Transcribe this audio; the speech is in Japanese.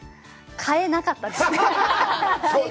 買えなかったです。